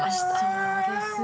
そうですね。